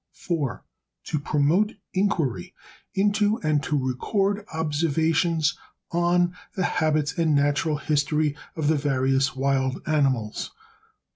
4. To promote inquiry into, and to record observations on the habits and natural history of, the various wild animals.